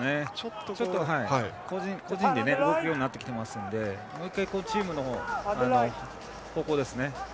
ちょっと個人で動くようになってきているのでもう１回、チームの方向ですね。